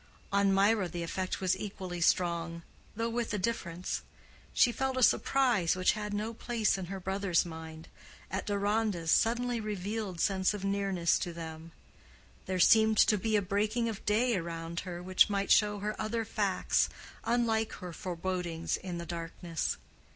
On Mirah the effect was equally strong, though with a difference: she felt a surprise which had no place in her brother's mind, at Deronda's suddenly revealed sense of nearness to them: there seemed to be a breaking of day around her which might show her other facts unlike her forebodings in the darkness.